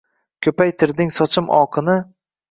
Kupaytirding sochim oqini